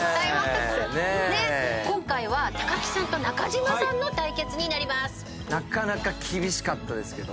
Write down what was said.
今回は木さんと中島さんの対決になります。